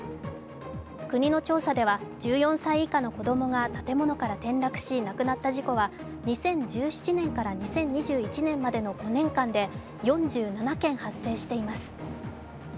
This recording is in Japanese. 国の調査では、１４歳以下の子供が建物から転落し亡くなった事故は２０１７年から２０２１年までの５年間で４７件発生しています。